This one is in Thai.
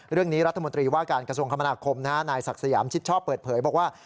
เรื่องนี้รัฐมนตรีว่าการกระทรวงคมนาคมนายศักดิ์สยามชิดชอบเปิดเผยบอกว่า